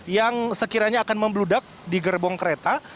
yang sekiranya akan membludak di gerbong kereta